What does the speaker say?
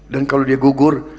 dan kalau dia gugur